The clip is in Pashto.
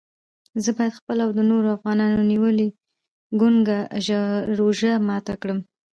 زه باید خپله او د نورو افغانانو نیولې ګونګه روژه ماته کړم.